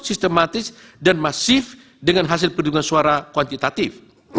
sistematis dan masif dengan hasil perhitungan suara kuantitatif